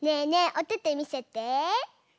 おててみせて！